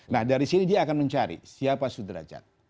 nah dari sini dia akan mencari siapa sudrajat